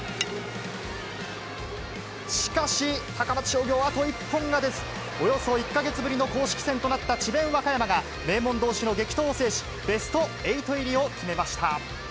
しかし、高松商業はあと一本が出ず、およそ１か月ぶりの公式戦となった智弁和歌山が、名門どうしの激闘を制し、ベストエイト入りを決めました。